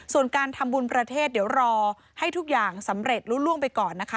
ส่วนการทำบุญประเทศเดี๋ยวรอให้ทุกอย่างสำเร็จรู้ล่วงไปก่อนนะคะ